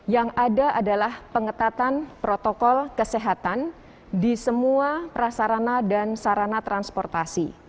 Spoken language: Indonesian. yang ada adalah pengetatan protokol kesehatan di semua prasarana dan sarana transportasi